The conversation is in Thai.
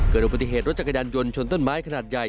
เกิดอุบัติเหตุรถจักรยานยนต์ชนต้นไม้ขนาดใหญ่